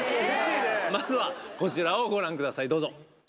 まずは、こちらをご覧ください、どうぞ。